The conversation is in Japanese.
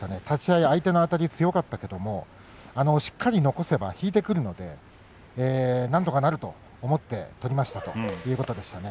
相手のあたりは強かったけどしっかり残せば引いてくるのでなんとかなると思って取りましたという話でした。